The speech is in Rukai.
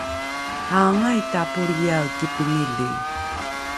Aangai ta polriyae kipingili?